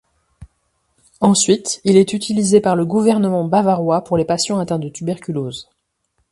Ensuite, il est utilisé par le gouvernement bavarois pour les patients atteints de tuberculose.